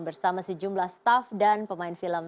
bersama sejumlah staff dan pemain film